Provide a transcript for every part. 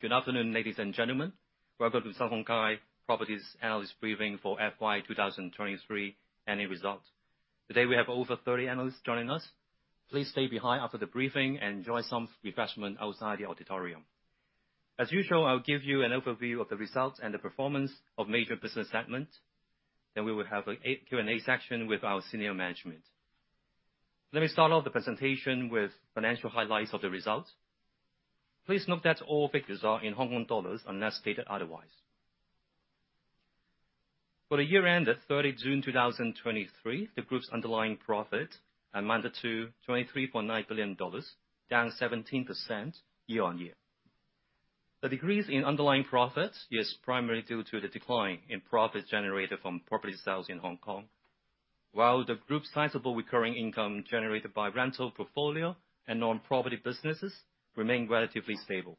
Good afternoon, ladies and gentlemen. Welcome to Sun Hung Kai Properties analyst briefing for FY 2023 annual result. Today, we have over 30 analysts joining us. Please stay behind after the briefing and enjoy some refreshment outside the auditorium. As usual, I will give you an overview of the results and the performance of major business segment, then we will have a Q&A session with our senior management. Let me start off the presentation with financial highlights of the results. Please note that all figures are in Hong Kong dollars, unless stated otherwise. For the year end of 30 June 2023, the group's underlying profit amounted to HKD 23.9 billion, down 17% year-on-year. The decrease in underlying profit is primarily due to the decline in profit generated from property sales in Hong Kong, while the group's sizable recurring income generated by rental portfolio and non-property businesses remain relatively stable.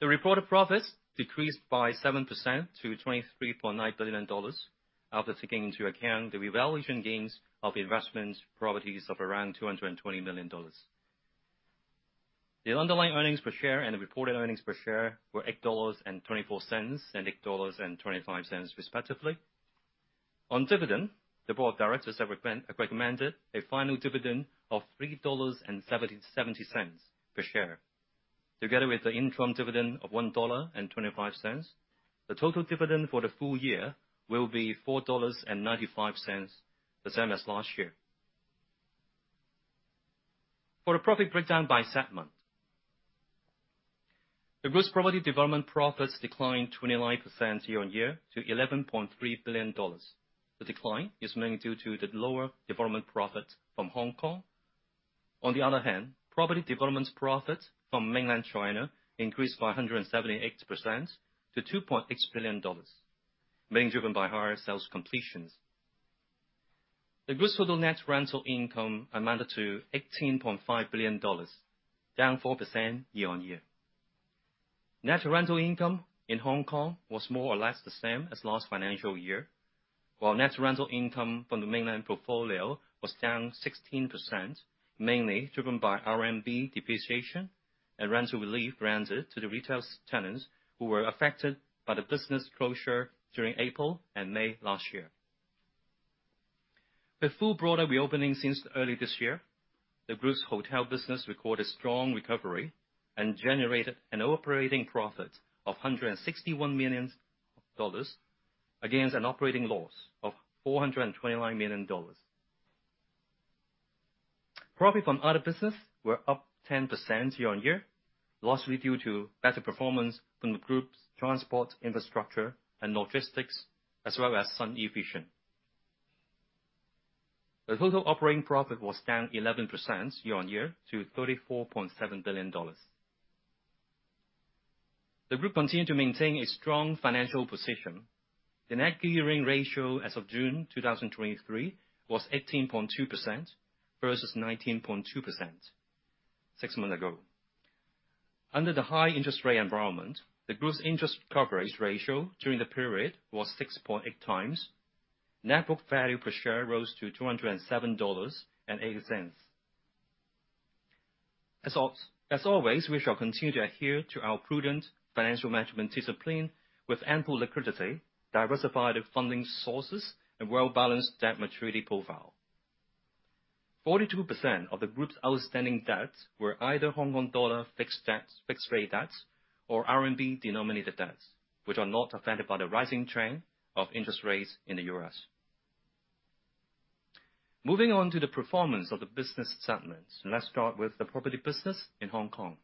The reported profits decreased by 7% to 23.9 billion dollars after taking into account the revaluation gains of investment properties of around 220 million dollars. The underlying earnings per share and the reported earnings per share were 8.24 dollars and 8.25 dollars, respectively. On dividend, the board of directors have recommended a final dividend of 3.70 dollars per share. Together with the interim dividend of 1.25 dollar, the total dividend for the full year will be 4.95 dollars, the same as last year. For the profit breakdown by segment, the group's property development profits declined 29% year-on-year to HKD 11.3 billion. The decline is mainly due to the lower development profit from Hong Kong. On the other hand, property development's profit from Mainland China increased by 178% to 2.6 billion dollars, being driven by higher sales completions. The group's total net rental income amounted to 18.5 billion dollars, down 4% year-on-year. Net rental income in Hong Kong was more or less the same as last financial year, while net rental income from the Mainland portfolio was down 16%, mainly driven by RMB depreciation and rental relief granted to the retail tenants who were affected by the business closure during April and May last year. With full border reopening since early this year, the group's hotel business recorded strong recovery and generated an operating profit of 161 million dollars, against an operating loss of 429 million dollars. Profit from other business were up 10% year-on-year, largely due to better performance from the group's transport, infrastructure, and logistics, as well as Sunevision. The total operating profit was down 11% year-on-year to 34.7 billion dollars. The group continued to maintain a strong financial position. The net gearing ratio as of June 2023 was 18.2% versus 19.2% six months ago. Under the high interest rate environment, the group's interest coverage ratio during the period was 6.8 times. Net book value per share rose to 207.08 dollars. As always, we shall continue to adhere to our prudent financial management discipline, with ample liquidity, diversified funding sources, and well-balanced debt maturity profile. 42% of the group's outstanding debts were either Hong Kong dollar fixed debts, fixed-rate debts, or RMB-denominated debts, which are not affected by the rising trend of interest rates in the U.S. Moving on to the performance of the business segments, let's start with the property business in Hong Kong.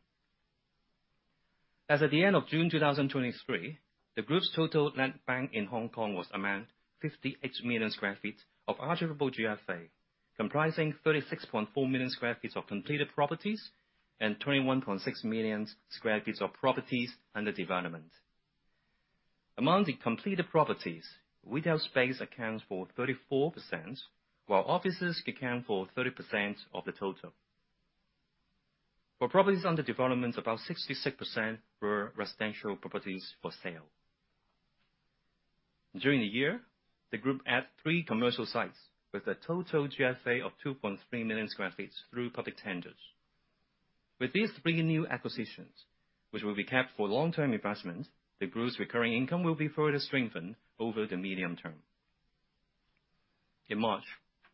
As at the end of June 2023, the group's total land bank in Hong Kong was around 58 million sq ft of attributable GFA, comprising 36.4 million sq ft of completed properties and 21.6 million sq ft of properties under development. Among the completed properties, retail space accounts for 34%, while offices account for 30% of the total. For properties under development, about 66% were residential properties for sale. During the year, the group added 3 commercial sites with a total GFA of 2.3 million sq ft through public tenders. With these 3 new acquisitions, which will be kept for long-term investment, the group's recurring income will be further strengthened over the medium term. In March,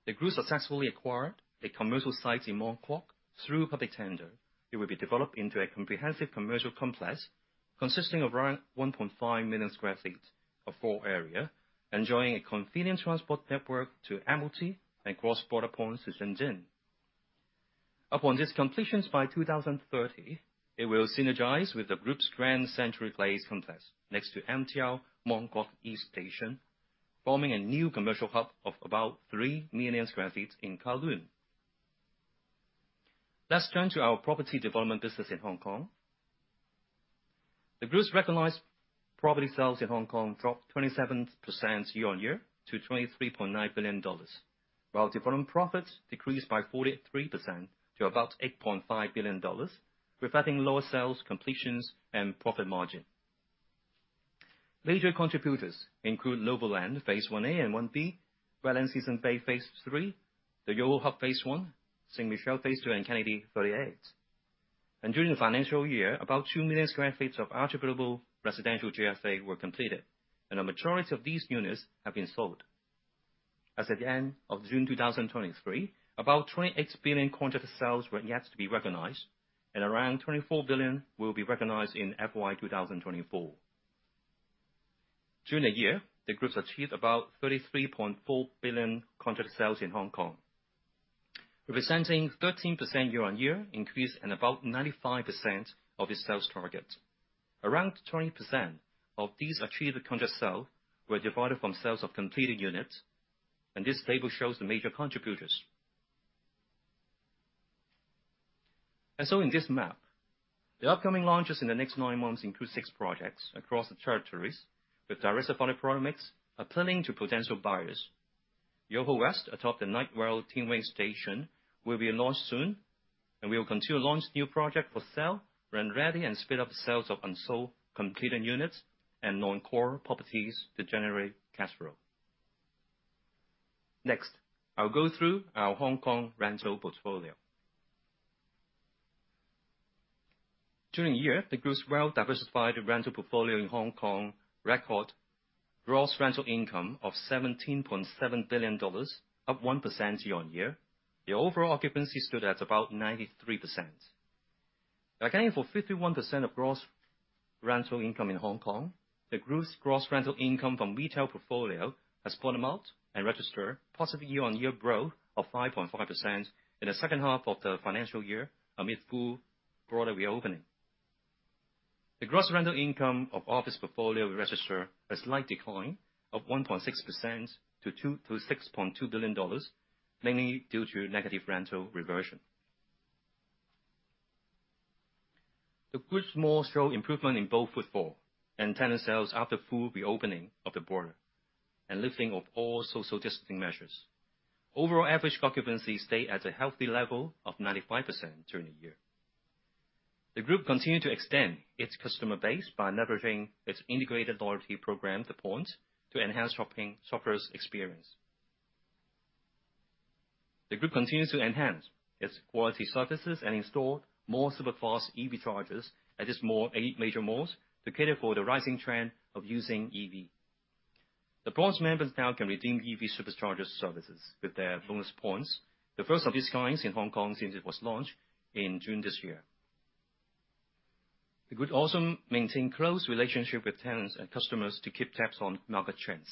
the group successfully acquired a commercial site in Mong Kok through public tender. It will be developed into a comprehensive commercial complex, consisting of around 1.5 million sq ft of floor area, enjoying a convenient transport network to Admiralty and cross-border points to Shenzhen. Upon its completion by 2030, it will synergize with the group's Grand Century Place complex next to MTR Mong Kok East Station, forming a new commercial hub of about 3 million sq ft in Kowloon. Let's turn to our property development business in Hong Kong. The group's recognized property sales in Hong Kong dropped 27% year-on-year to HKD 23.9 billion, while development profits decreased by 43% to about HKD 8.5 billion, reflecting lower sales completions and profit margin. Major contributors include NOVO LAND, Phase One A and One B, Wetland Seasons Bay, Phase Three, The YOHO Hub, Phase One, St. Michel, Phase Two, and KENNEDY 38. And during the financial year, about 2 million sq ft of attributable residential GFA were completed, and a majority of these units have been sold. As at the end of June 2023, about 28 billion contract sales were yet to be recognized, and around 24 billion will be recognized in FY 2024. During the year, the Group's achieved about 33.4 billion contract sales in Hong Kong, representing 13% year-on-year increase and about 95% of its sales target. Around 20% of these achieved contract sale were divided from sales of completed units, and this table shows the major contributors. So in this map, the upcoming launches in the next nine months include six projects across the territories, with diversified product mix appealing to potential buyers. YOHO West, atop the Light Rail Tin Wing Station, will be launched soon, and we will continue to launch new project for sale, rent ready, and speed up the sales of unsold completed units and non-core properties to generate cash flow. Next, I'll go through our Hong Kong rental portfolio. During the year, the group's well-diversified rental portfolio in Hong Kong record gross rental income of 17.7 billion dollars, up 1% year-on-year. The overall occupancy stood at about 93%. Accounting for 51% of gross rental income in Hong Kong, the group's gross rental income from retail portfolio has gone up and registered positive year-on-year growth of 5.5% in the second half of the financial year, amid full border reopening. The gross rental income of office portfolio registered a slight decline of 1.6% to 6.2 billion dollars, mainly due to negative rental reversion. The group's malls show improvement in both footfall and tenant sales after full reopening of the border and lifting of all social distancing measures. Overall, average occupancy stayed at a healthy level of 95% during the year. The group continued to extend its customer base by leveraging its integrated loyalty program, The Point, to enhance shopping, shoppers' experience. The group continues to enhance its quality services and install more superfast EV chargers at its mall, 8 major malls, to cater for the rising trend of using EV. The Point members now can redeem EV supercharger services with their bonus points, the first of its kind in Hong Kong since it was launched in June this year. The group also maintain close relationship with tenants and customers to keep tabs on market trends.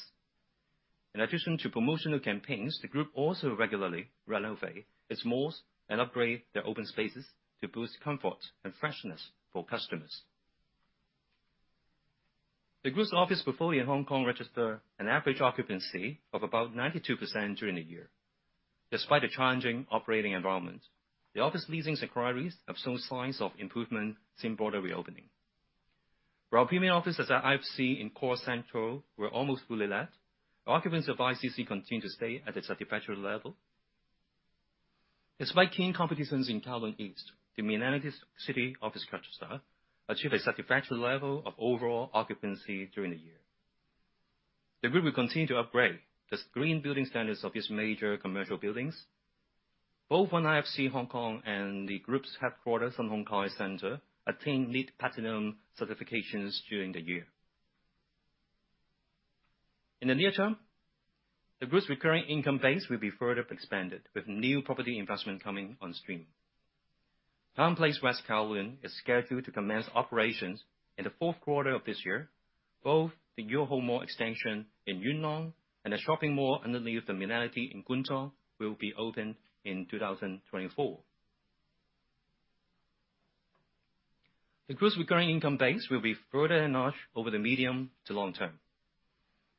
In addition to promotional campaigns, the group also regularly renovate its malls and upgrade their open spaces to boost comfort and freshness for customers. The group's office portfolio in Hong Kong registered an average occupancy of about 92% during the year. Despite the challenging operating environment, the office leasing inquiries have shown signs of improvement since border reopening. Our premium offices at IFC in Central were almost fully let. Occupancy of ICC continued to stay at a satisfactory level. Despite keen competitions in Kowloon East, the Millennium City office cluster achieve a satisfactory level of overall occupancy during the year. The group will continue to upgrade the green building standards of its major commercial buildings. Both One IFC Hong Kong and the group's headquarters on Two IFC attained LEED Platinum certifications during the year. In the near term, the group's recurring income base will be further expanded, with new property investment coming on stream. TOWNPLACE WEST KOWLOON is scheduled to commence operations in the fourth quarter of this year. Both the YOHO Mall extension in Yuen Long and The Millennity in Kwun Tong will be opened in 2024. The group's recurring income base will be further enlarged over the medium to long term.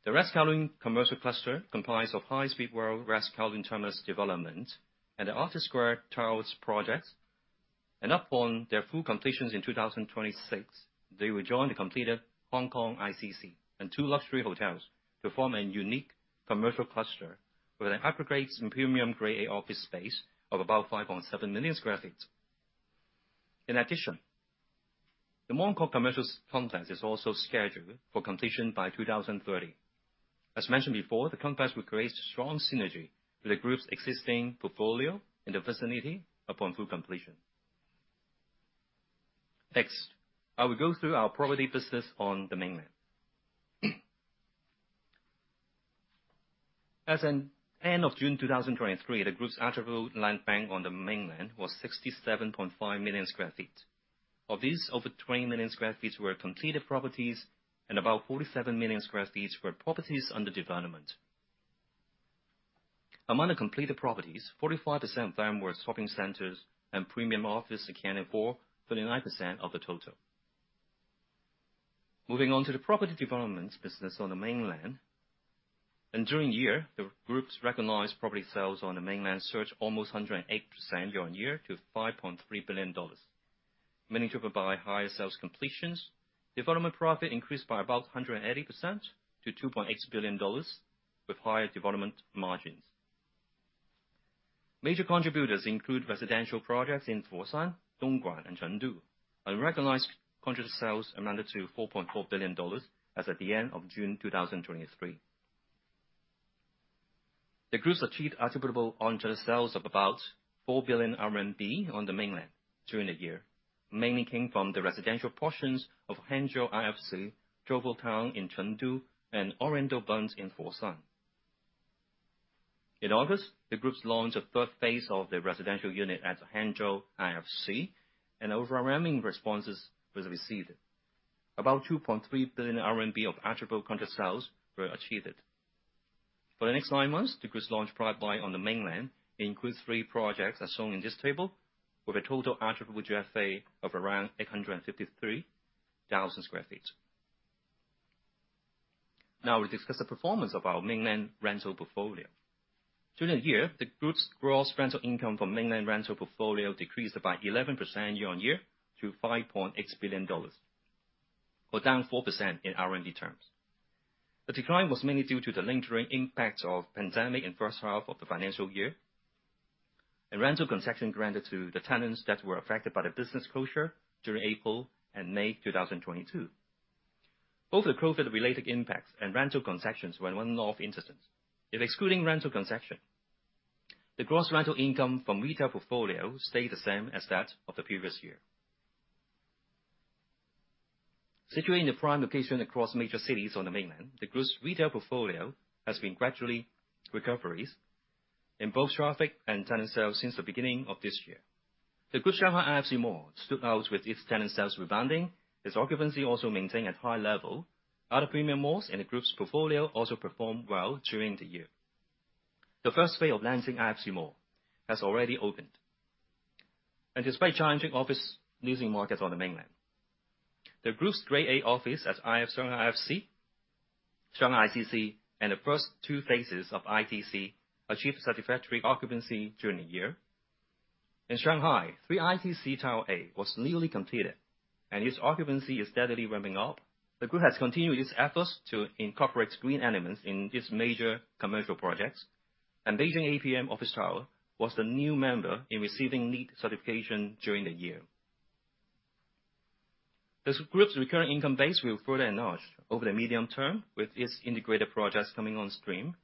The West Kowloon Commercial Cluster comprises of High Speed Rail West Kowloon Terminus Development and the Artist Square Towers projects. Upon their full completions in 2026, they will join the completed Hong Kong ICC and two luxury hotels to form a unique commercial cluster with an aggregate and premium Grade A office space of about 5.7 million sq ft. In addition, the Mong Kok commercial complex is also scheduled for completion by 2030. As mentioned before, the complex will create strong synergy with the group's existing portfolio in the vicinity upon full completion. Next, I will go through our property business on the mainland. As at end of June 2023, the group's attributable land bank on the mainland was 67.5 million sq ft. Of these, over 20 million sq ft were completed properties, and about 47 million sq ft were properties under development. Among the completed properties, 45% of them were shopping centers and premium offices, accounting for 39% of the total. Moving on to the property development business on the mainland, and during the year, the group's recognized property sales on the mainland surged almost 108% year-on-year to 5.3 billion dollars, mainly driven by higher sales completions. Development profit increased by about 180% to 2.8 billion dollars, with higher development margins.... Major contributors include residential projects in Foshan, Dongguan, and Chengdu, and recognized contract sales amounted to $4.4 billion as at the end of June 2023. The group achieved attributable to the sales of about 4 billion RMB on the mainland during the year, which mainly came from the residential portions of Hangzhou IFC, Jovo Town in Chengdu, and Oriental Bund in Foshan. In August, the group launched a third phase of the residential unit at the Hangzhou IFC, and overwhelming responses were received. About 2.3 billion RMB of attributable contract sales were achieved. For the next nine months, the group's launch pipeline on the mainland includes three projects, as shown in this table, with a total attributable GFA of around 853,000 sq ft. Now we'll discuss the performance of our mainland rental portfolio. During the year, the group's gross rental income from mainland rental portfolio decreased by 11% year-on-year to 5.8 billion dollars, or down 4% in RMB terms. The decline was mainly due to the lingering impacts of the pandemic in the first half of the financial year, and rental concessions granted to the tenants that were affected by the business closures during April and May 2022. Both the COVID-related impacts and rental concessions were one-off instances. If excluding rental concessions, the gross rental income from retail portfolio stayed the same as that of the previous year. Situated in prime locations across major cities on the mainland, the group's retail portfolio has been gradually recovering in both traffic and tenant sales since the beginning of this year. The group's Shanghai IFC Mall stood out with its tenant sales rebounding. Its occupancy also maintained at a high level. Other premium malls in the group's portfolio also performed well during the year. The first phase of Nanjing IFC Mall has already opened. Despite challenging office leasing markets on the mainland, the group's Grade A office at IFC, Shanghai IFC, Shanghai ICC, and the first two phases of ITC achieved satisfactory occupancy during the year. In Shanghai, Three ITC Tower A was newly completed, and its occupancy is steadily ramping up. The group has continued its efforts to incorporate screen elements in its major commercial projects, and Beijing APM Office Tower was the new member in receiving LEED certification during the year. This group's recurring income base will further enhance over the medium term with its integrated projects coming on stream.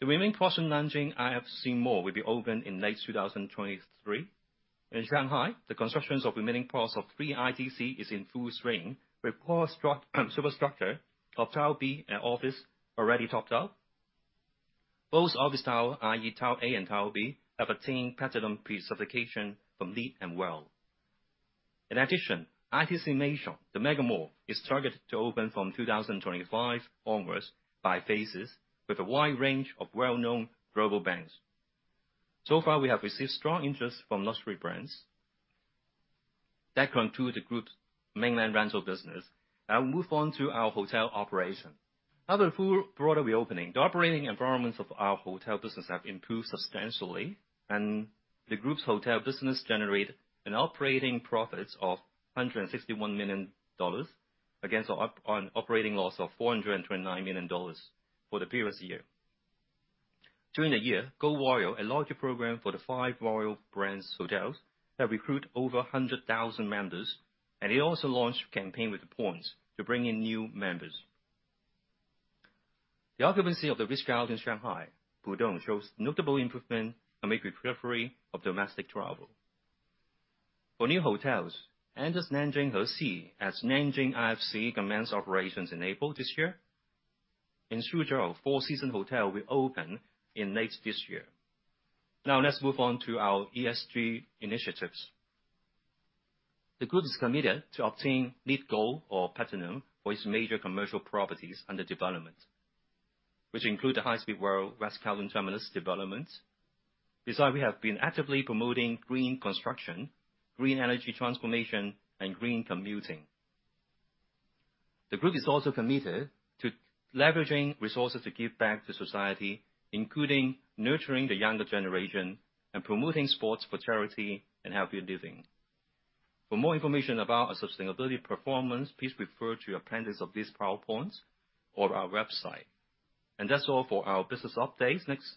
The remaining portion Nanjing IFC Mall will be opened in late 2023. In Shanghai, the construction of remaining parts of Three ITC is in full swing, with superstructure of Tower B and office already topped out. Both office towers, i.e., Tower A and Tower B, have attained platinum pre-certification from LEED and WELL. In addition, ITC Maison, the mega mall, is targeted to open from 2025 onwards by phases with a wide range of well-known global brands. So far, we have received strong interest from luxury brands that come to the group's mainland rental business. I will move on to our hotel operation. After full border reopening, the operating environments of our hotel business have improved substantially, and the group's hotel business generated an operating profit of $161 million against an operating loss of $429 million for the previous year. During the year, Go Royal, a loyalty program for the five Royal brands hotels, has recruited over 100,000 members, and it also launched a campaign with the points to bring in new members. The occupancy of The Ritz-Carlton Shanghai, Pudong, shows notable improvement amid recovery of domestic travel. For new hotels, Andaz Nanjing Hexi at Nanjing IFC commenced operations in April this year. In Suzhou, Four Seasons Hotel will open in late this year. Now let's move on to our ESG initiatives. The group is committed to obtain LEED Gold or Platinum for its major commercial properties under development, which include the High Speed Rail West Kowloon Terminus Development. Besides, we have been actively promoting green construction, green energy transformation, and green commuting. The group is also committed to leveraging resources to give back to society, including nurturing the younger generation and promoting sports for charity and healthier living. For more information about our sustainability performance, please refer to appendix of these PowerPoints or our website. That's all for our business updates. Next,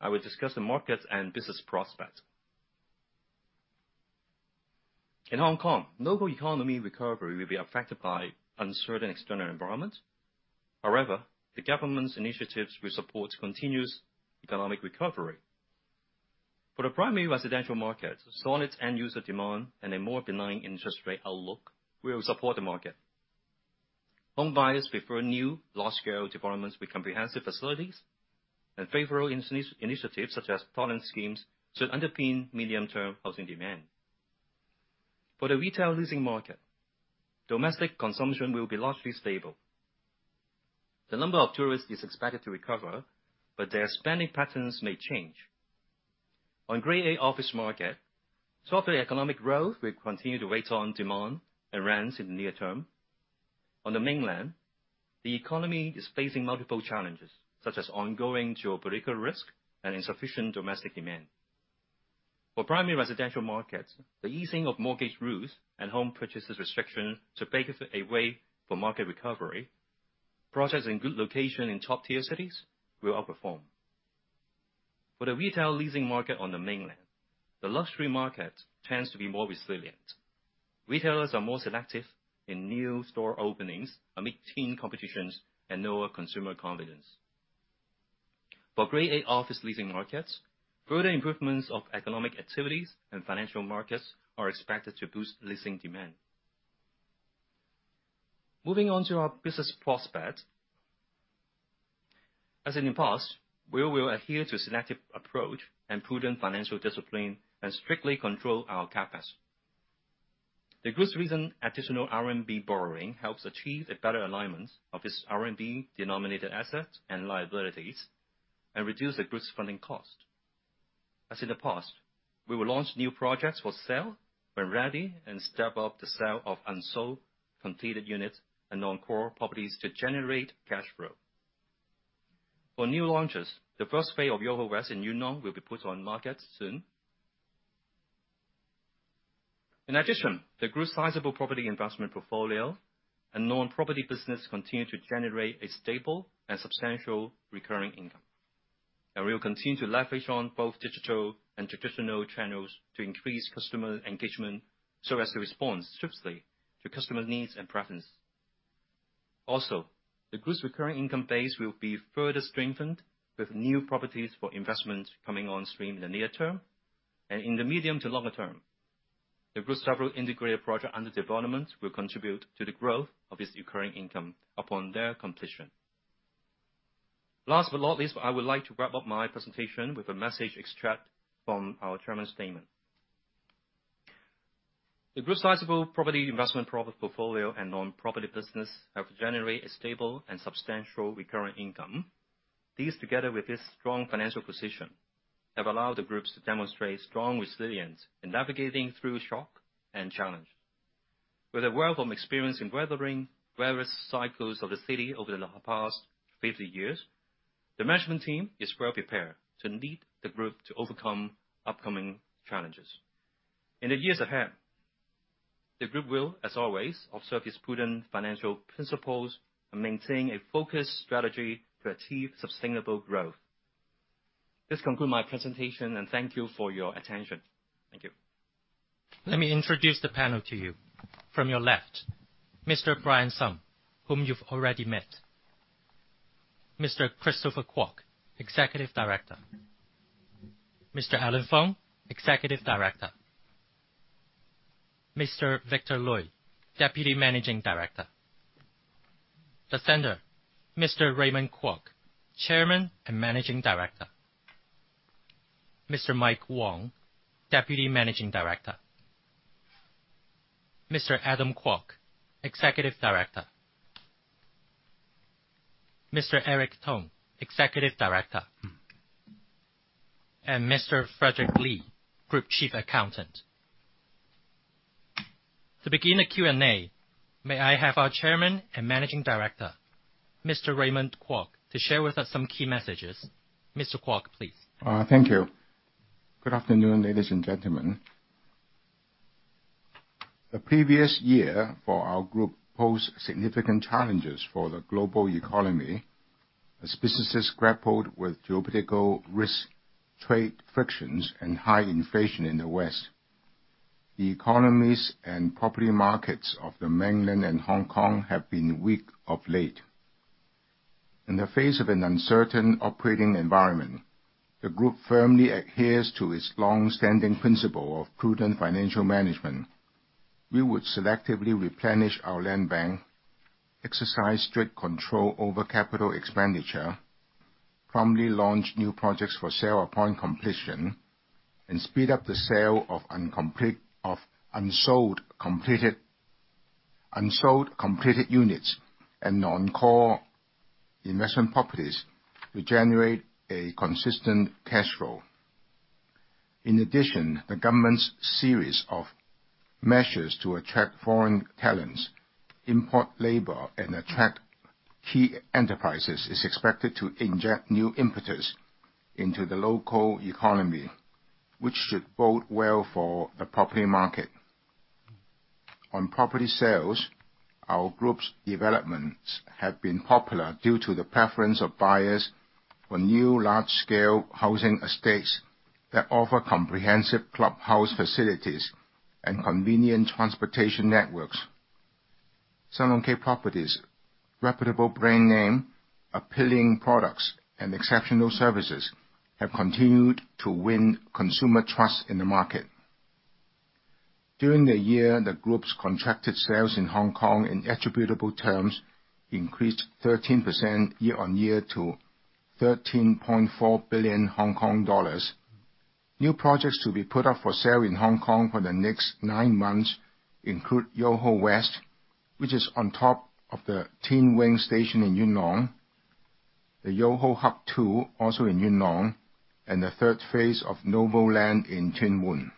I will discuss the markets and business prospects. In Hong Kong, local economy recovery will be affected by uncertain external environment. However, the government's initiatives will support continuous economic recovery. For the primary residential market, solid end-user demand and a more benign interest rate outlook will support the market. Home buyers prefer new, large-scale developments with comprehensive facilities and favorable initiatives such as talent schemes should underpin medium-term housing demand. For the retail leasing market, domestic consumption will be largely stable. The number of tourists is expected to recover, but their spending patterns may change. On Grade A office market, softer economic growth will continue to weigh on demand and rents in the near term. On the mainland, the economy is facing multiple challenges, such as ongoing geopolitical risk and insufficient domestic demand... For primary residential markets, the easing of mortgage rules and home purchases restriction to pave a way for market recovery. Projects in good location in top-tier cities will outperform. For the retail leasing market on the mainland, the luxury market tends to be more resilient. Retailers are more selective in new store openings amid keen competitions and lower consumer confidence. For Grade A office leasing markets, further improvements of economic activities and financial markets are expected to boost leasing demand. Moving on to our business prospect. As in the past, we will adhere to a selective approach and prudent financial discipline, and strictly control our CapEx. The group's recent additional RMB borrowing helps achieve a better alignment of its RMB-denominated assets and liabilities, and reduce the group's funding cost. As in the past, we will launch new projects for sale when ready, and step up the sale of unsold completed units and non-core properties to generate cash flow. For new launches, the first phase of YOHO West in Yuen Long will be put on market soon. In addition, the group's sizable property investment portfolio and non-property business continue to generate a stable and substantial recurring income, and we will continue to leverage on both digital and traditional channels to increase customer engagement, so as to respond swiftly to customer needs and preference. Also, the group's recurring income base will be further strengthened with new properties for investment coming on stream in the near term. In the medium to longer term, the group's several integrated project under development will contribute to the growth of its recurring income upon their completion. Last but not least, I would like to wrap up my presentation with a message extract from our Chairman's statement. The group's sizable property investment portfolio and non-property business have generated a stable and substantial recurring income. These, together with this strong financial position, have allowed the groups to demonstrate strong resilience in navigating through shock and challenge. With a wealth of experience in weathering various cycles of the city over the past 50 years, the management team is well prepared to lead the group to overcome upcoming challenges. In the years ahead, the group will, as always, observe its prudent financial principles and maintain a focused strategy to achieve sustainable growth. This concludes my presentation, and thank you for your attention. Thank you. Let me introduce the panel to you. From your left, Mr. Brian Sun, whom you've already met. Mr. Christopher Kwok, Executive Director. Mr. Allen Fung, Executive Director. Mr. Victor Lui, Deputy Managing Director. The center, Mr. Raymond Kwok, Chairman and Managing Director. Mr. Mike Wong, Deputy Managing Director. Mr. Adam Kwok, Executive Director. Mr. Eric Tong, Executive Director. And Mr. Frederick Lee, Group Chief Accountant. To begin the Q&A, may I have our Chairman and Managing Director, Mr. Raymond Kwok, to share with us some key messages. Mr. Kwok, please. Thank you. Good afternoon, ladies and gentlemen. The previous year for our group posed significant challenges for the global economy, as businesses grappled with geopolitical risk, trade frictions, and high inflation in the West. The economies and property markets of the mainland and Hong Kong have been weak of late. In the face of an uncertain operating environment, the group firmly adheres to its long-standing principle of prudent financial management. We would selectively replenish our land bank, exercise strict control over capital expenditure, promptly launch new projects for sale upon completion, and speed up the sale of unsold completed units and non-core investment properties to generate a consistent cash flow. In addition, the government's series of measures to attract foreign talents, import labor, and attract key enterprises, is expected to inject new impetus into the local economy, which should bode well for the property market. On property sales, our group's developments have been popular due to the preference of buyers for new large-scale housing estates that offer comprehensive clubhouse facilities and convenient transportation networks. Sun Hung Kai Properties' reputable brand name, appealing products, and exceptional services have continued to win consumer trust in the market. During the year, the group's contracted sales in Hong Kong in attributable terms increased 13% year-on-year to 13.4 billion Hong Kong dollars. New projects to be put up for sale in Hong Kong for the next nine months include YOHO West, which is on top of the Tin Wing Station in Yuen Long, The YOHO Hub II, also in Yuen Long, and the third phase of NOVO LAND in Tsuen Wan.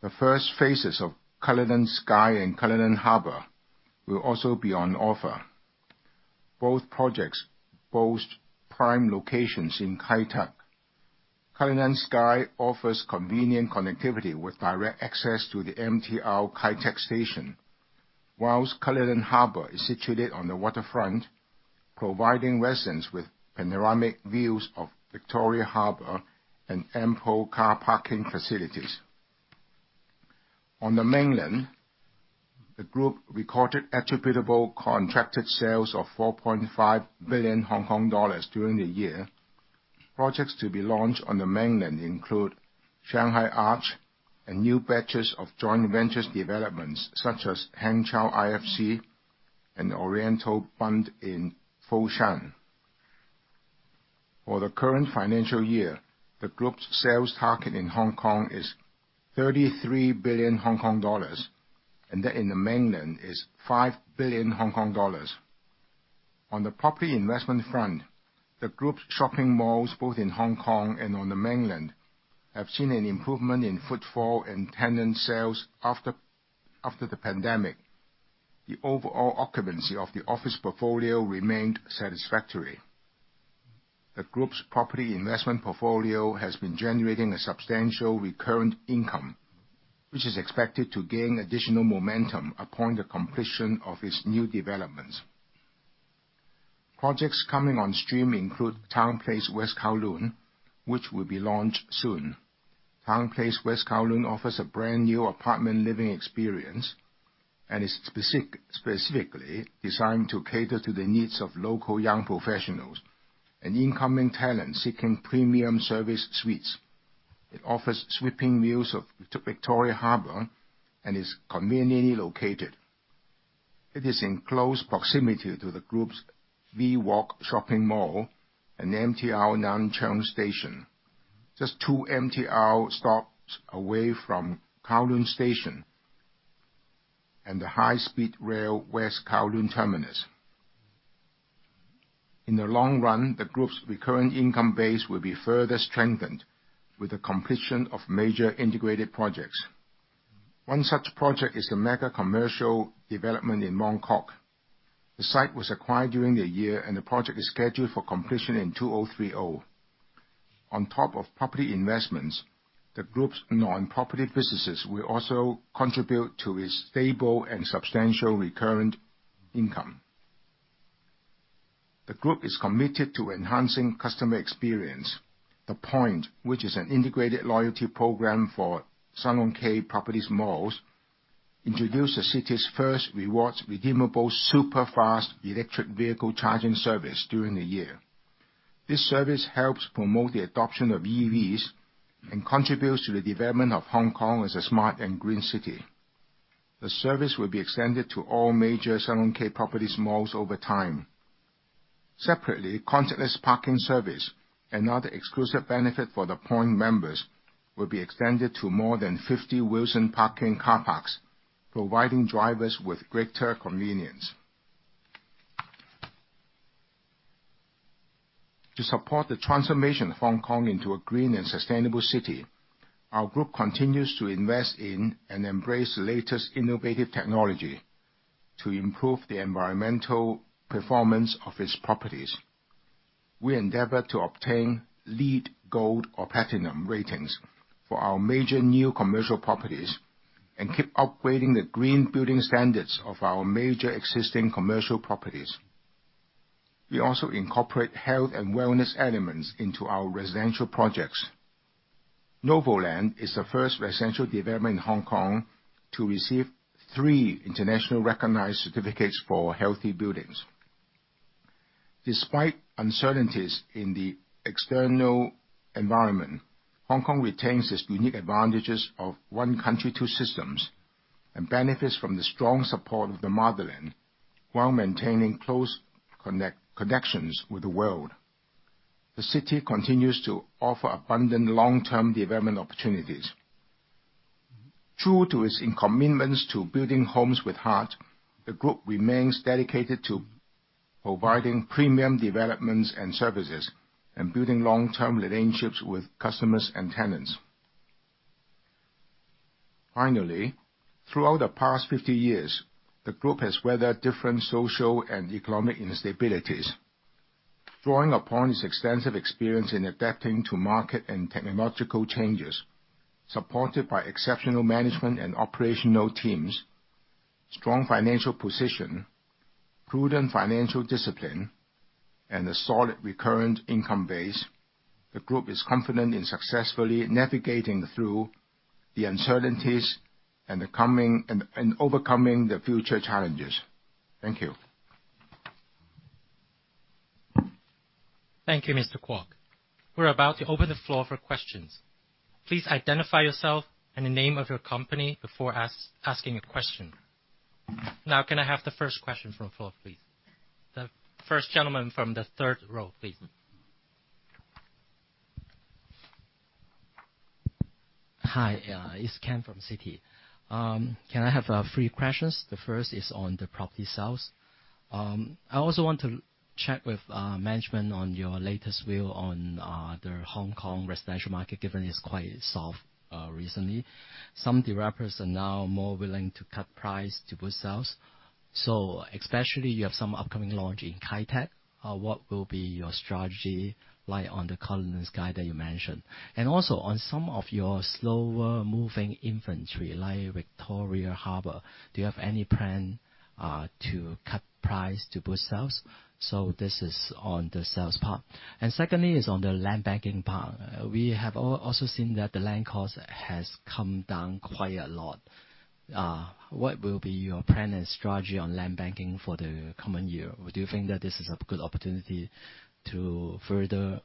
The first phases of Cullinan Sky and Cullinan Harbour will also be on offer. Both projects boast prime locations in Kai Tak. Cullinan Sky offers convenient connectivity with direct access to the MTR Kai Tak Station, while Cullinan Harbour is situated on the waterfront, providing residents with panoramic views of Victoria Harbour and ample car parking facilities. On the mainland, the group recorded attributable contracted sales of 4.5 billion Hong Kong dollars during the year. Projects to be launched on the mainland include Shanghai Arch and new batches of joint ventures developments, such as Hangzhou IFC and Oriental Bund in Foshan. For the current financial year, the group's sales target in Hong Kong is 33 billion Hong Kong dollars, and that in the mainland is 5 billion Hong Kong dollars. On the property investment front, the group's shopping malls, both in Hong Kong and on the mainland, have seen an improvement in footfall and tenant sales after the pandemic. The overall occupancy of the office portfolio remained satisfactory. The group's property investment portfolio has been generating a substantial recurrent income, which is expected to gain additional momentum upon the completion of its new developments. Projects coming on stream include TOWNPLACEWest Kowloon, which will be launched soon. TOWNPLACE West Kowloon offers a brand-new apartment living experience and is specifically designed to cater to the needs of local young professionals and incoming talent seeking premium service suites. It offers sweeping views of Victoria Harbour and is conveniently located. It is in close proximity to the group's V Walk shopping mall and MTR Nam Cheong Station, just two MTR stops away from Kowloon Station and the High Speed Rail West Kowloon Terminus. In the long run, the group's recurrent income base will be further strengthened with the completion of major integrated projects. One such project is the mega commercial development in Mong Kok. The site was acquired during the year, and the project is scheduled for completion in 2030. On top of property investments, the group's non-property businesses will also contribute to a stable and substantial recurrent income. The group is committed to enhancing customer experience. The Point, which is an integrated loyalty program for Sun Hung Kai Properties malls, introduced the city's first rewards redeemable super-fast electric vehicle charging service during the year. This service helps promote the adoption of EVs and contributes to the development of Hong Kong as a smart and green city. The service will be extended to all major Sun Hung Kai Properties malls over time. Separately, contactless parking service, another exclusive benefit for The Point members, will be extended to more than 50 Wilson Parking car parks, providing drivers with greater convenience. To support the transformation of Hong Kong into a green and sustainable city, our group continues to invest in and embrace the latest innovative technology to improve the environmental performance of its properties. We endeavor to obtain LEED Gold or Platinum ratings for our major new commercial properties and keep upgrading the green building standards of our major existing commercial properties. We also incorporate health and wellness elements into our residential projects. NOVO LAND is the first residential development in Hong Kong to receive three internationally recognized certificates for healthy buildings. Despite uncertainties in the external environment, Hong Kong retains its unique advantages of one country, two systems, and benefits from the strong support of the motherland while maintaining close connections with the world. The city continues to offer abundant long-term development opportunities. True to its commitments to building homes with heart, the group remains dedicated to providing premium developments and services and building long-term relationships with customers and tenants. Finally, throughout the past 50 years, the group has weathered different social and economic instabilities. Drawing upon its extensive experience in adapting to market and technological changes, supported by exceptional management and operational teams, strong financial position, prudent financial discipline, and a solid recurrent income base, the group is confident in successfully navigating through the uncertainties and the coming and overcoming the future challenges. Thank you. Thank you, Mr. Kwok. We're about to open the floor for questions. Please identify yourself and the name of your company before asking a question. Now, can I have the first question from the floor, please? The first gentleman from the third row, please. Hi, it's Ken from Citi. Can I have three questions? The first is on the property sales. I also want to check with management on your latest view on the Hong Kong residential market, given it's quite soft recently. Some developers are now more willing to cut price to boost sales. So especially you have some upcoming launch in Kai Tak. What will be your strategy like on the Cullinan Sky that you mentioned? And also, on some of your slower moving inventory, like Victoria Harbour, do you have any plan to cut price to boost sales? So this is on the sales part. And secondly, is on the land banking part. We have also seen that the land cost has come down quite a lot. What will be your plan and strategy on land banking for the coming year? Do you think that this is a good opportunity to further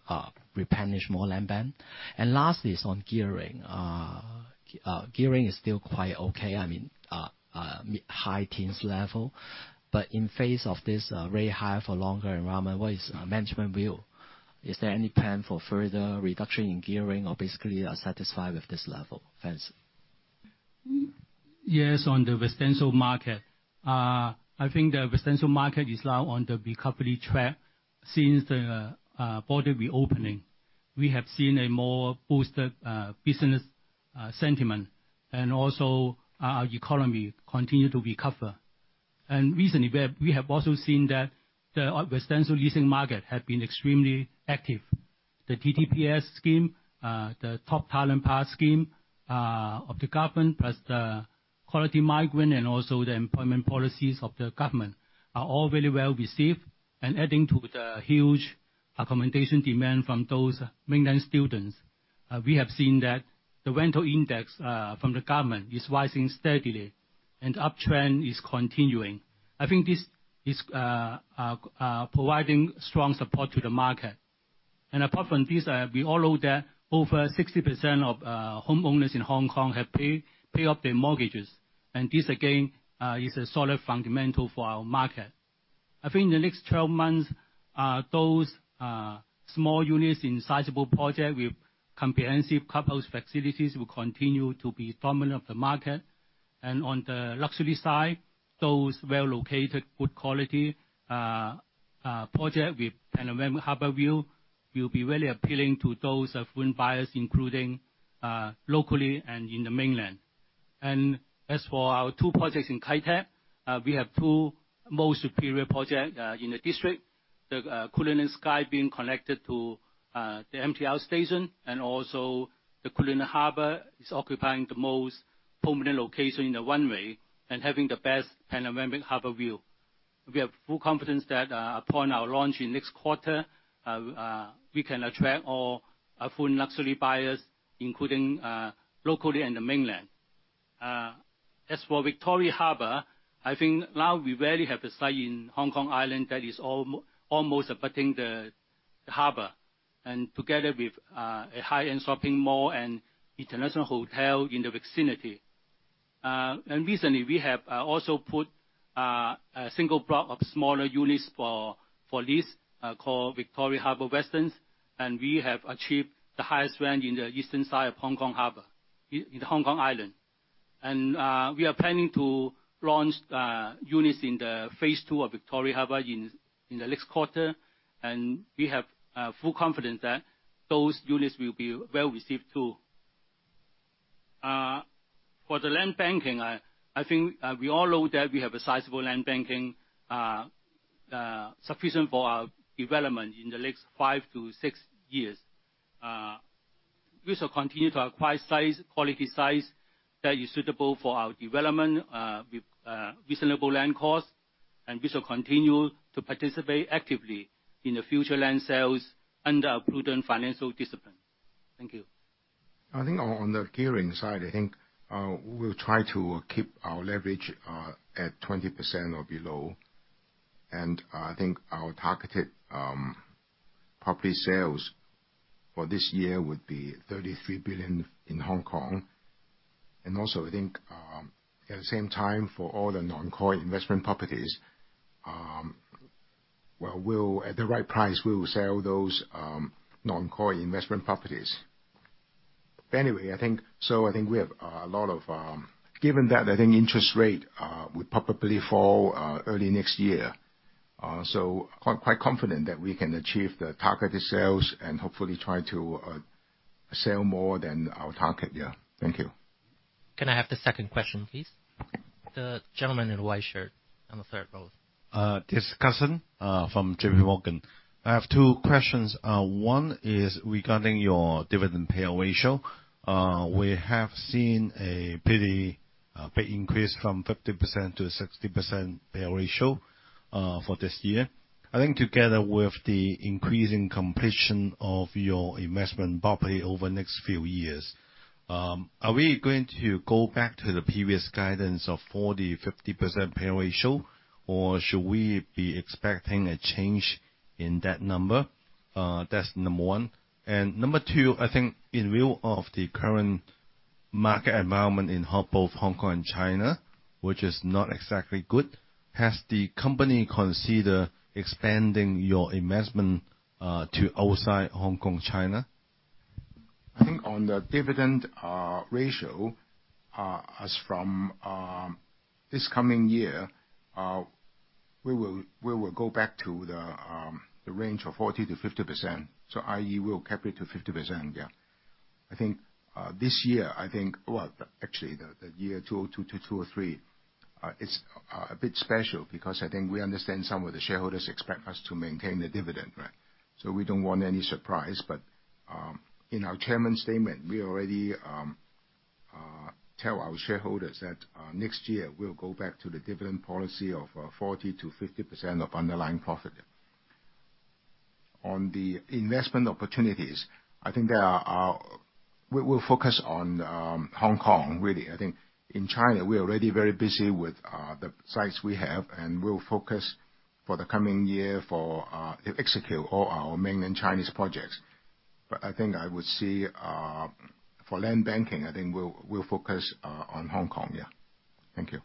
replenish more land bank? And lastly, is on gearing. Gearing is still quite okay, I mean, mid-high teens level. But in face of this, rates high for longer environment, what is management view? Is there any plan for further reduction in gearing or basically are satisfied with this level? Thanks. Yes, on the residential market. I think the residential market is now on the recovery track since the border reopening. We have seen a more boosted business sentiment, and also our economy continue to recover. And recently, we have also seen that the residential leasing market had been extremely active. The TTPS scheme, the Top Talent Pass Scheme, of the government, plus the quality migrant and also the employment policies of the government, are all very well received, and adding to the huge accommodation demand from those mainland students. We have seen that the rental index from the government is rising steadily and uptrend is continuing. I think this is providing strong support to the market. Apart from this, we all know that over 60% of homeowners in Hong Kong have paid, pay off their mortgages, and this, again, is a solid fundamental for our market. I think in the next 12 months, those small units in sizable project with comprehensive compose facilities will continue to be dominant of the market. And on the luxury side, those well-located, good quality project with panoramic harbor view will be really appealing to those foreign buyers, including locally and in the mainland. And as for our two projects in Kai Tak, we have two most superior project in the district. The Cullinan Sky being connected to the MTR station, and also the Cullinan Harbour is occupying the most prominent location in the runway and having the best panoramic harbor view. We have full confidence that, upon our launch in next quarter, we can attract all our full luxury buyers, including, locally and the mainland. As for Victoria Harbour, I think now we rarely have a site in Hong Kong Island that is almost abutting the harbour, and together with a high-end shopping mall and international hotel in the vicinity. Recently, we have also put a single block of smaller units for lease, called Victoria Harbour Residence, and we have achieved the highest rent in the eastern side of Victoria Harbour, in Hong Kong Island. We are planning to launch units in the phase two of Victoria Harbour in the next quarter, and we have full confidence that those units will be well received, too. For the land banking, I think we all know that we have a sizable land banking sufficient for our development in the next 5 to 6 years. We shall continue to acquire sites, quality sites that is suitable for our development with reasonable land costs, and we shall continue to participate actively in the future land sales under a prudent financial discipline. Thank you. I think on the gearing side, we'll try to keep our leverage at 20% or below. I think our targeted property sales for this year would be 33 billion in Hong Kong. Also, at the same time, for all the non-core investment properties, well, at the right price, we will sell those non-core investment properties. But anyway, given that, I think interest rate will probably fall early next year. So quite confident that we can achieve the targeted sales and hopefully try to sell more than our target year. Thank you. Can I have the second question, please? The gentleman in the white shirt on the third row. This is Cusson from JPMorgan. I have two questions. One is regarding your dividend payout ratio. We have seen a pretty big increase from 50% to 60% payout ratio for this year. I think together with the increasing completion of your investment property over the next few years, are we going to go back to the previous guidance of 40 to 50% payout ratio, or should we be expecting a change in that number? That's number one. And number two, I think in view of the current market environment in both Hong Kong and China, which is not exactly good, has the company consider expanding your investment to outside Hong Kong, China?... I think on the dividend ratio as from this coming year we will go back to the range of 40%-50%. So i.e., we'll cap it to 50%, yeah. I think this year, I think, well, actually, the year 2022-2023 it's a bit special because I think we understand some of the shareholders expect us to maintain the dividend, right? So we don't want any surprise. But in our chairman's statement, we already tell our shareholders that next year, we'll go back to the dividend policy of 40% to 50% of underlying profit. On the investment opportunities, I think there are... We'll focus on Hong Kong, really. I think in China, we are already very busy with the sites we have, and we'll focus for the coming year for to execute all our mainland Chinese projects. But I think I would see for land banking, I think we'll focus on Hong Kong. Yeah. Thank you.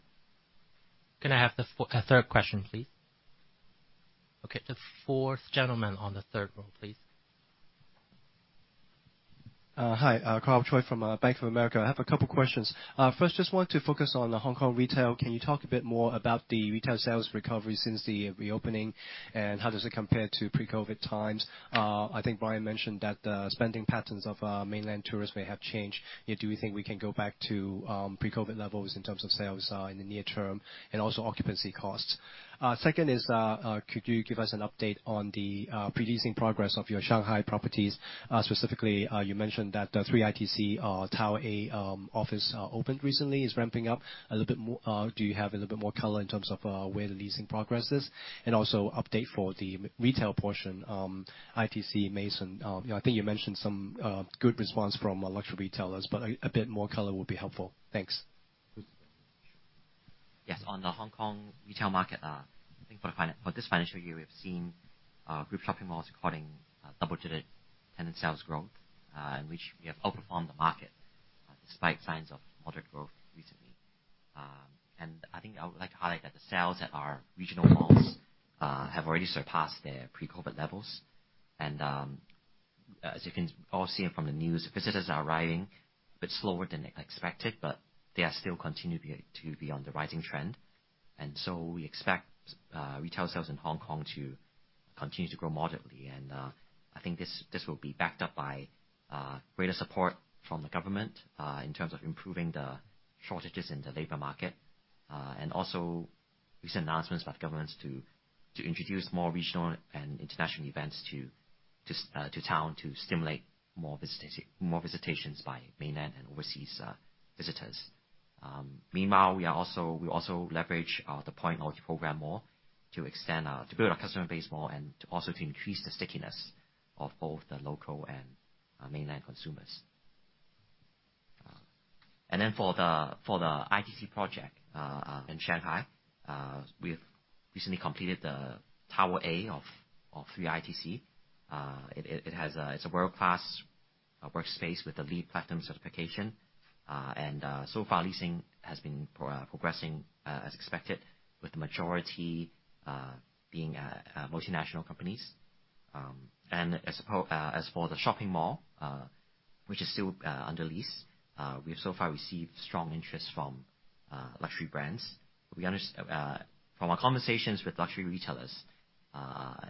Can I have a third question, please? Okay, the fourth gentleman on the third row, please. Hi, Karl Choi from Bank of America. I have a couple questions. First, just want to focus on the Hong Kong retail. Can you talk a bit more about the retail sales recovery since the reopening, and how does it compare to pre-COVID times? I think Brian mentioned that spending patterns of mainland tourists may have changed. Do you think we can go back to pre-COVID levels in terms of sales in the near term, and also occupancy costs? Second is, could you give us an update on the pre-leasing progress of your Shanghai properties? Specifically, you mentioned that Three ITC Tower A office opened recently, is ramping up a little bit more. Do you have a little bit more color in terms of where the leasing progress is? Also update for the mall retail portion, ITC Maison. You know, I think you mentioned some good response from our luxury retailers, but a bit more color would be helpful. Thanks. Yes, on the Hong Kong retail market, I think for this financial year, we have seen group shopping malls recording double-digit tenant sales growth, in which we have outperformed the market, despite signs of moderate growth recently. I think I would like to highlight that the sales at our regional malls have already surpassed their pre-COVID levels. As you can all see it from the news, visitors are arriving a bit slower than expected, but they are still continuing to be on the rising trend. We expect retail sales in Hong Kong to continue to grow moderately, and I think this will be backed up by greater support from the government in terms of improving the shortages in the labor market, and also recent announcements by the governments to town to stimulate more visitations by mainland and overseas visitors. Meanwhile, we also leverage the Point multi-program more to extend to build our customer base more and to also to increase the stickiness of both the local and mainland consumers. And then for the ITC project in Shanghai, we have recently completed the Tower A of Three ITC. It has a world-class workspace with a LEED Platinum certification. So far, leasing has been progressing as expected, with the majority being multinational companies. As for the shopping mall, which is still under lease, we've so far received strong interest from luxury brands. We understand from our conversations with luxury retailers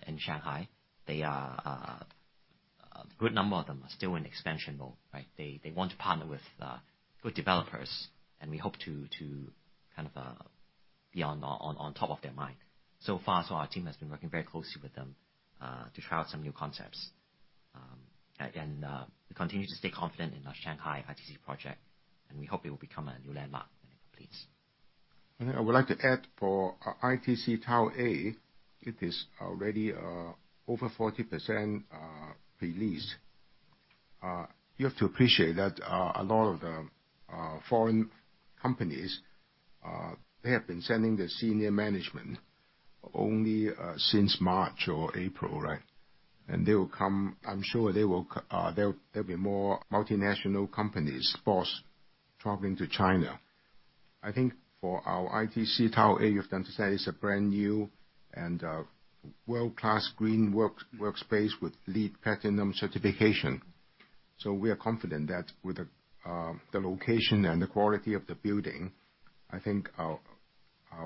in Shanghai, they are a good number of them are still in expansion mode, right? They want to partner with good developers, and we hope to kind of be on top of their mind. So far, our team has been working very closely with them to try out some new concepts. We continue to stay confident in our Shanghai ITC project, and we hope it will become a new landmark when it completes. I would like to add for ITC Tower A, it is already over 40% pre-leased. You have to appreciate that a lot of the foreign companies they have been sending their senior management only since March or April, right? And they will come. I'm sure they will. There'll be more multinational companies, boss, traveling to China. I think for our ITC Tower A, you have to understand, it's a brand new and world-class green workspace with LEED Platinum certification. So we are confident that with the the location and the quality of the building, I think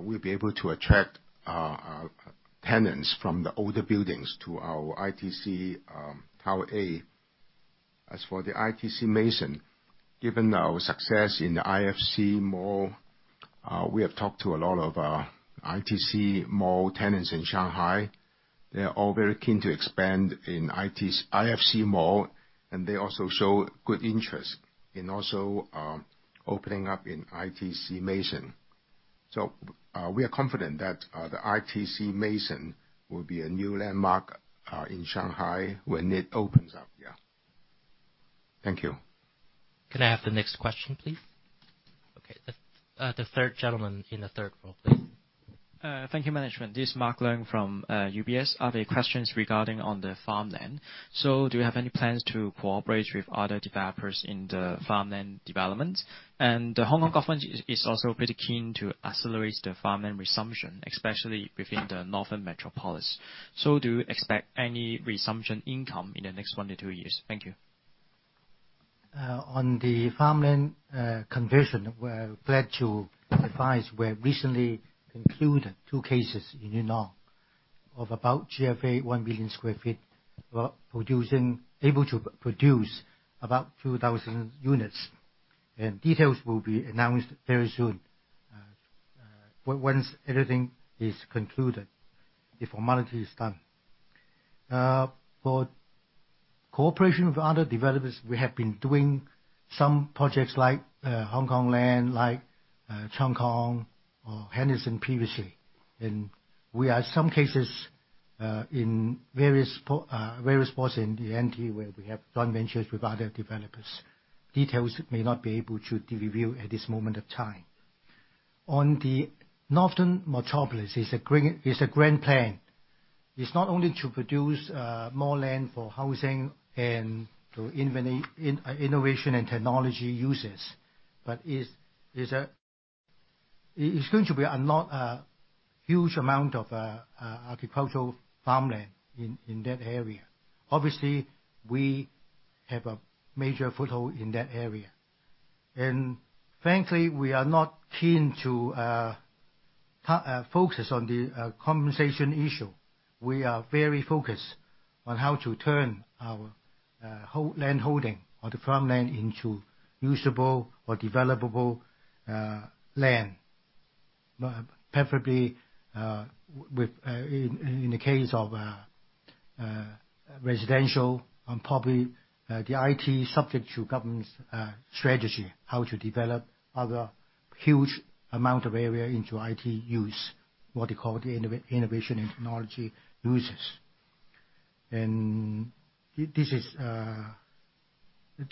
we'll be able to attract tenants from the older buildings to our ITC Tower A. As for the ITC Maison, given our success in the IFC Mall, we have talked to a lot of ITC mall tenants in Shanghai. They are all very keen to expand in IFC Mall, and they also show good interest in also opening up in ITC Maison. So, we are confident that the ITC Maison will be a new landmark in Shanghai when it opens up, yeah. Thank you. Can I have the next question, please? Okay. The third gentleman in the third row, please. Thank you, management. This is Mark Leung from UBS. I have questions regarding on the farmland. So do you have any plans to cooperate with other developers in the farmland development? And the Hong Kong government is also pretty keen to accelerate the farmland resumption, especially within the northern metropolis. So do you expect any resumption income in the next one to two years? Thank you.... On the farmland conversion, we're glad to advise we have recently concluded two cases in Yunnan of about GFA 1 million sq ft, but able to produce about 2,000 units. And details will be announced very soon, but once everything is concluded, the formality is done. For cooperation with other developers, we have been doing some projects like Hongkong Land, like Cheung Kong or Henderson Land previously. And we are some cases in various parts in the NT where we have joint ventures with other developers. Details may not be able to be revealed at this moment of time. On the Northern Metropolis, it's a grand plan. It's not only to produce more land for housing and to innovation and technology uses, but it's going to be a lot, huge amount of agricultural farmland in that area. Obviously, we have a major foothold in that area. And frankly, we are not keen to focus on the compensation issue. We are very focused on how to turn our whole land holding or the farmland into usable or developable land. But preferably with... In the case of residential and probably the IT subject to government's strategy, how to develop other huge amount of area into IT use, what they call the innovation and technology uses. And this is...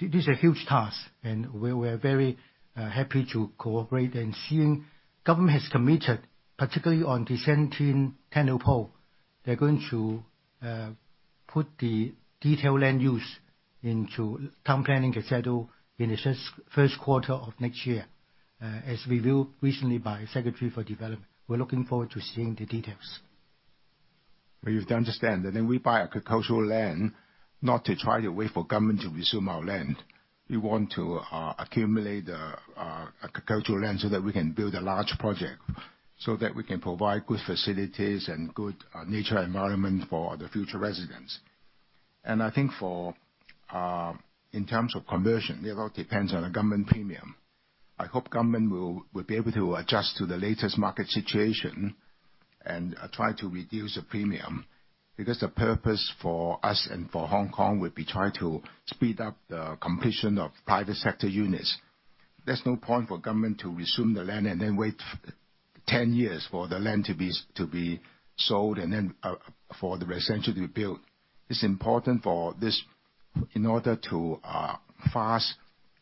This is a huge task, and we are very happy to cooperate. Seeing government has committed, particularly on December 10 policy, they're going to put the detailed land use into town planning schedule in the first quarter of next year, as reviewed recently by Secretary for Development. We're looking forward to seeing the details. But you have to understand that when we buy agricultural land, not to try to wait for government to resume our land. We want to accumulate the agricultural land so that we can build a large project, so that we can provide good facilities and good nature environment for the future residents. And I think for in terms of conversion, it all depends on the government premium. I hope government will be able to adjust to the latest market situation and try to reduce the premium, because the purpose for us and for Hong Kong would be trying to speed up the completion of private sector units. There's no point for government to resume the land and then wait 10 years for the land to be sold, and then for the residential to be built. It's important for this, in order to fast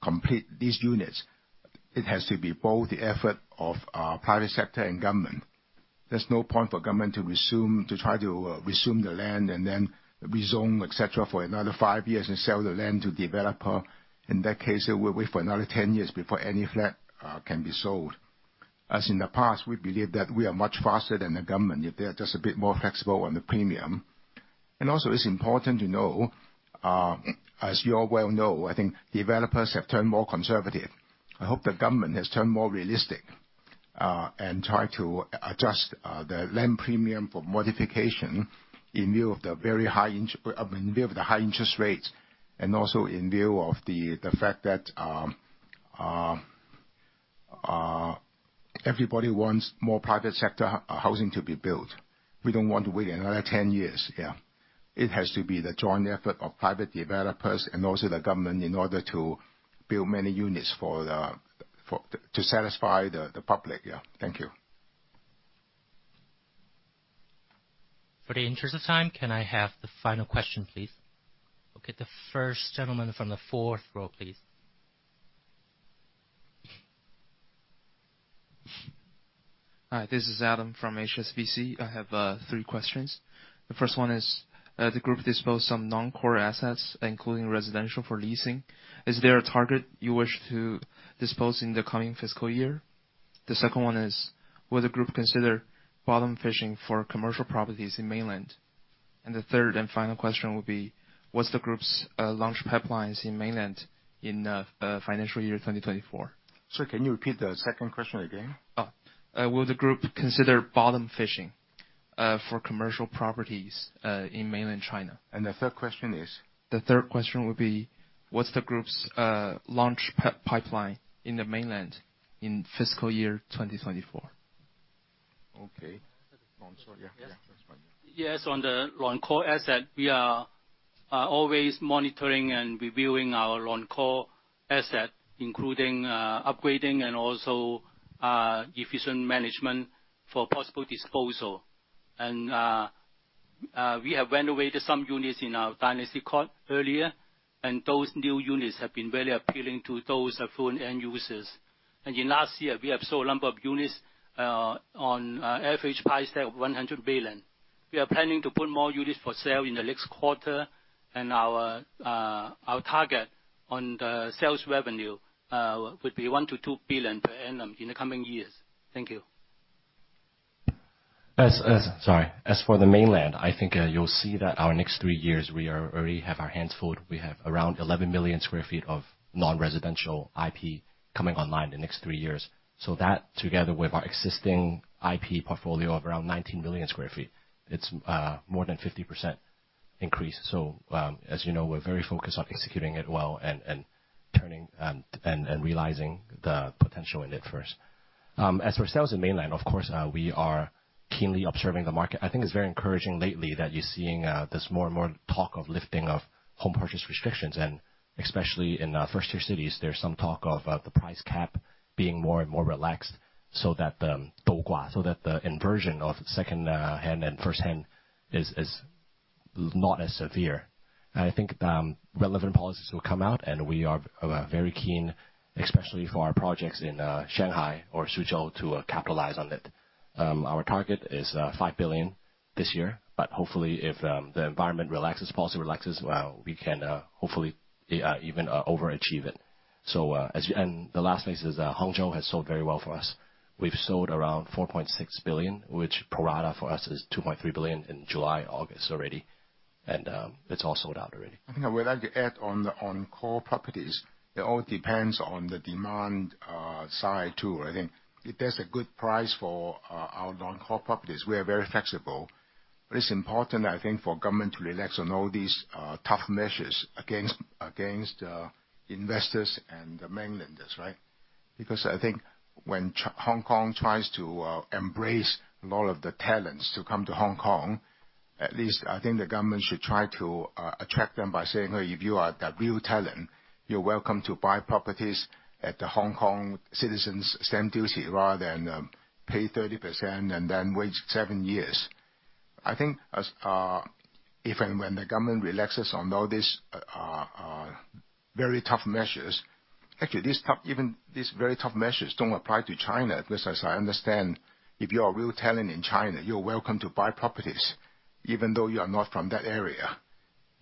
complete these units, it has to be both the effort of private sector and government. There's no point for government to try to resume the land and then rezone, et cetera, for another five years and sell the land to developer. In that case, they will wait for another 10 years before any flat can be sold. As in the past, we believe that we are much faster than the government, if they are just a bit more flexible on the premium. And also, it's important to know, as you all well know, I think developers have turned more conservative. I hope the government has turned more realistic and try to adjust the land premium for modification in view of the high interest rates, and also in view of the fact that everybody wants more private sector housing to be built. We don't want to wait another 10 years, yeah. It has to be the joint effort of private developers and also the government in order to build many units for to satisfy the public. Yeah. Thank you. For the interest of time, can I have the final question, please? Okay, the first gentleman from the fourth row, please. Hi, this is Adam from HSBC. I have three questions. The first one is, the group disposed some non-core assets, including residential for leasing. Is there a target you wish to dispose in the coming fiscal year? The second one is, will the group consider bottom fishing for commercial properties in mainland? And the third and final question will be, what's the group's launch pipelines in mainland in financial year 2024? Sir, can you repeat the second question again? Oh, will the group consider bottom fishing for commercial properties in mainland China? The third question is? The third question would be, what's the group's launch pipeline in the mainland in fiscal year 2024? Okay. Launch, yeah, yeah, that's fine. Yes, on the non-core asset, we are always monitoring and reviewing our non-core asset, including upgrading and also efficient management for possible disposal. We have renovated some units in our Dynasty Court earlier, and those new units have been very appealing to those foreign end users. In last year, we have sold a number of units on average price of 100 billion. We are planning to put more units for sale in the next quarter, and our target on the sales revenue would be 1 billion-2 billion per annum in the coming years. Thank you. As for the mainland, I think you'll see that our next three years, we are already have our hands full. We have around 11 million sq ft of non-residential IP coming online in the next three years. So that, together with our existing IP portfolio of around 19 million sq ft, it's more than 50% increase. So, as you know, we're very focused on executing it well and turning and realizing the potential in it first. As for sales in mainland, of course, we are keenly observing the market. I think it's very encouraging lately that you're seeing this more and more talk of lifting of home purchase restrictions, and especially in first-tier cities, there's some talk of the price cap being more and more relaxed so that the daogua so that the inversion of secondhand and first-hand is not as severe. I think relevant policies will come out, and we are very keen, especially for our projects in Shanghai or Suzhou, to capitalize on it. Our target is 5 billion this year, but hopefully, if the environment relaxes, policy relaxes, well, we can hopefully even overachieve it. As you... The last piece is Hangzhou has sold very well for us. We've sold around 4.6 billion, which pro rata for us is 2.3 billion in July, August already, and it's all sold out already. I think I would like to add on the non-core properties, it all depends on the demand side, too. I think if there's a good price for our non-core properties, we are very flexible. But it's important, I think, for government to relax on all these tough measures against investors and the mainlanders, right? Because I think when Hong Kong tries to embrace a lot of the talents to come to Hong Kong, at least I think the government should try to attract them by saying, "Hey, if you are a real talent, you're welcome to buy properties at the Hong Kong citizens stamp duty, rather than pay 30% and then wait seven years." I think as if and when the government relaxes on all these very tough measures... Actually, these tough, even these very tough measures don't apply to China, because as I understand, if you are a real talent in China, you're welcome to buy properties, even though you are not from that area.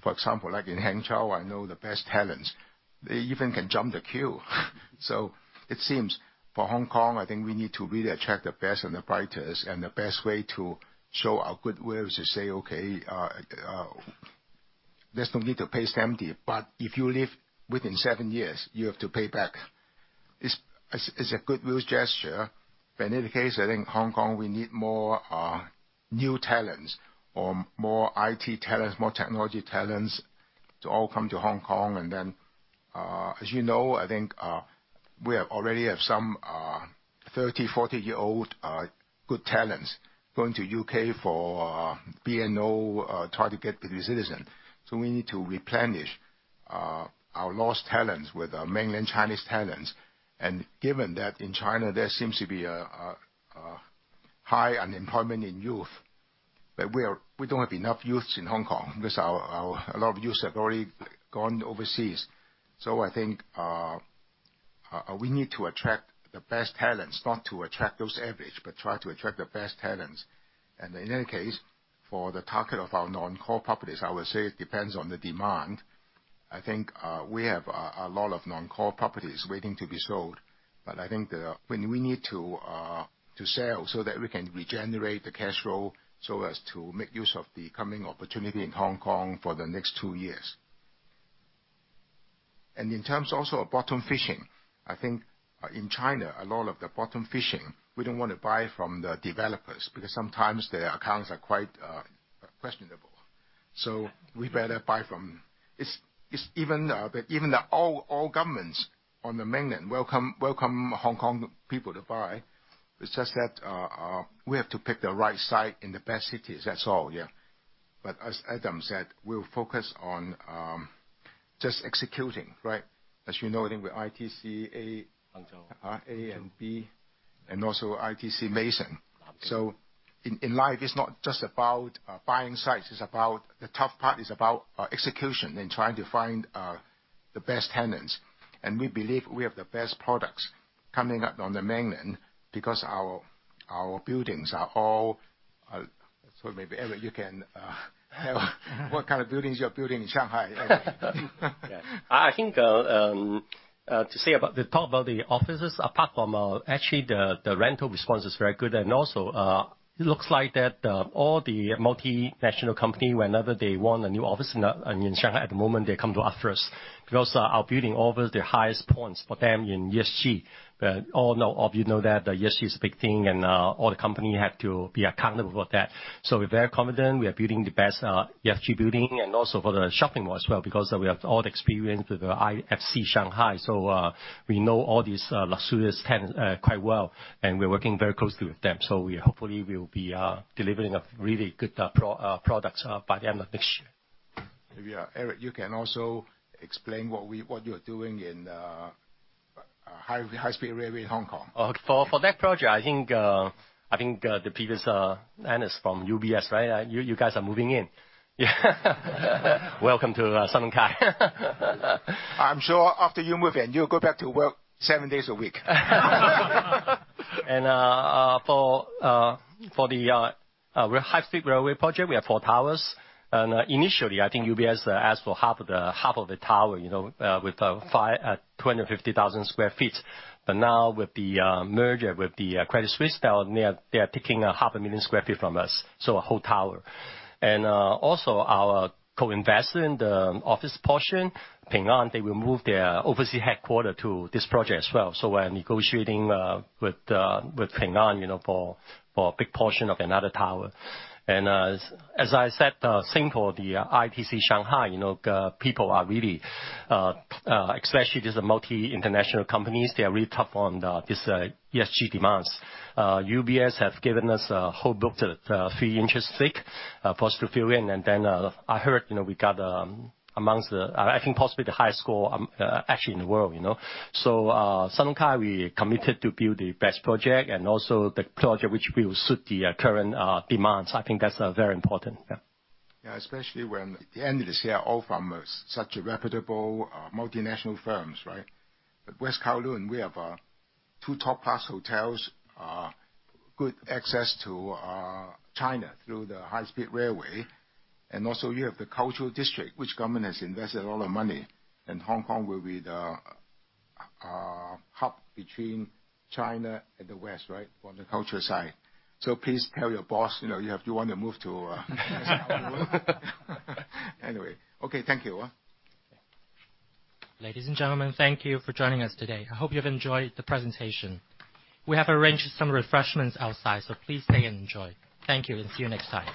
For example, like in Hangzhou, I know the best talents, they even can jump the queue. So it seems for Hong Kong, I think we need to really attract the best and the brightest, and the best way to show our goodwill is to say, "Okay, there's no need to pay stamp duty, but if you leave within seven years, you have to pay back." It's a goodwill gesture, but in any case, I think Hong Kong, we need more new talents or more IT talents, more technology talents to all come to Hong Kong. As you know, I think we have already have some 30- to 40-year-old good talents going to UK for BNO, try to get the citizen. So we need to replenish our lost talents with our mainland Chinese talents. And given that in China, there seems to be a high unemployment in youth, but we don't have enough youths in Hong Kong because our a lot of youths have already gone overseas. So I think we need to attract the best talents, not to attract those average, but try to attract the best talents. And in any case, for the target of our non-core properties, I would say it depends on the demand. I think we have a lot of non-core properties waiting to be sold, but I think that when we need to sell so that we can regenerate the cash flow so as to make use of the coming opportunity in Hong Kong for the next two years. And in terms also of bottom fishing, I think in China, a lot of the bottom fishing, we don't want to buy from the developers, because sometimes their accounts are quite questionable. So we better buy from... It's even, but even all governments on the mainland welcome Hong Kong people to buy. It's just that we have to pick the right site and the best cities. That's all, yeah. But as Adam said, we'll focus on just executing, right? As you know, I think with ITC A and B, and also ITC Maison. So in life, it's not just about buying sites, it's about... The tough part is about execution and trying to find the best tenants. And we believe we have the best products coming up on the mainland, because our buildings are all... So maybe, Eric, you can have what kind of buildings you're building in Shanghai? Yeah. I think, to say about the, talk about the offices, apart from, actually the rental response is very good, and also, it looks like that, all the multinational company, whenever they want a new office in, in Shanghai, at the moment, they come to us first, because our building offers the highest points for them in ESG. All know, all of you know that ESG is a big thing, and, all the company have to be accountable for that. So we're very confident we are building the best, ESG building and also for the shopping mall as well, because, we have all the experience with the Shanghai IFC. So, we know all these, luxurious tenants, quite well, and we're working very closely with them. So we hopefully will be delivering a really good products by the end of next year. Yeah. Eric, you can also explain what we, what you're doing in high-speed railway in Hong Kong. Okay. For that project, I think, the previous analyst from UBS, right? You guys are moving in. Welcome to Sun Hung Kai. I'm sure after you move in, you'll go back to work seven days a week. For the high-speed railway project, we have four towers. Initially, I think UBS asked for half of the tower, you know, with 250,000 sq ft. But now with the merger with the Credit Suisse, they are taking 500,000 sq ft from us, so a whole tower. Also, our co-investor in the office portion, Ping An, they will move their overseas headquarters to this project as well. So we're negotiating with Ping An, you know, for a big portion of another tower. As I said, same for the ICC Shanghai, you know, people are really, especially these multinational companies, they are really tough on these ESG demands. UBS have given us a whole book that 3 inches thick for us to fill in, and then I heard, you know, we got amongst the, I think possibly the highest score, actually in the world, you know? So, Sun Hung Kai, we are committed to build the best project and also the project which will suit the current demands. I think that's very important, yeah. Yeah, especially when the end is here, all from such reputable multinational firms, right? At West Kowloon, we have two top-class hotels, good access to China through the high-speed railway, and also you have the Cultural District, which government has invested a lot of money, and Hong Kong will be the hub between China and the West, right, from the culture side. So please tell your boss, you know, you have to want to move to West Kowloon. Anyway, okay, thank you. Ladies and gentlemen, thank you for joining us today. I hope you've enjoyed the presentation. We have arranged some refreshments outside, so please stay and enjoy. Thank you, and see you next time.